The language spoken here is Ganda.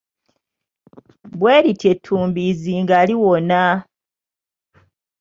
Bwe lityo ettumbiizi nga liwona.